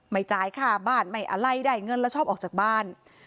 จ่ายค่าบ้านไม่อะไรได้เงินแล้วชอบออกจากบ้าน